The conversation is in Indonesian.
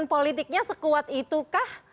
politiknya sekuat itukah